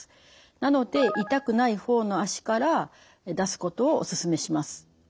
なので痛くない方の脚から出すことをおすすめします。